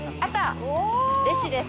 レシです！